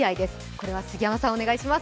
これは杉山さん、お願いします。